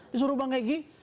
disuruh bang egy